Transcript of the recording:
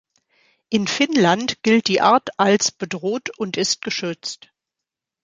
In Finnland gilt die Art als bedroht und ist geschützt.